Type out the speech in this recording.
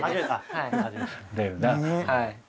はい。